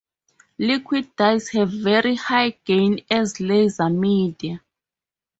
Liquid dyes have very high gain as laser media.